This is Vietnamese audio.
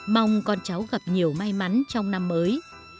mong con cháu gặp nhiều may mắn trong năm mới